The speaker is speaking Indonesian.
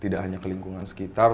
tidak hanya ke lingkungan sekitar